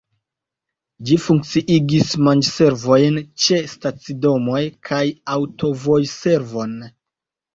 Ĝi funkciigis manĝservojn ĉe stacidomoj kaj aŭtovojservon.